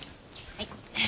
はい。